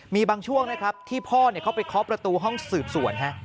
มีบางช่วงนะครับที่พ่อเข้าไปเคาะประตูห้องสืบสวน